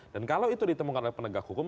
dan kalau itu ditemukan oleh penegak hukum